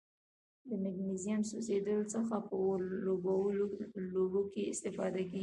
د مګنیزیم سوځیدلو څخه په اور لوبو کې استفاده کیږي.